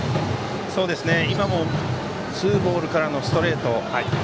今もツーボールからのストレート。